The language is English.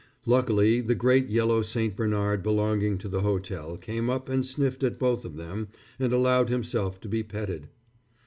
Luckily the great yellow St. Bernard belonging to the hotel came up and sniffed at both of them and allowed himself to be petted.